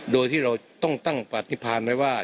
โดยที่เราต้องตั้งปฏิพันธ์ไว้ว่า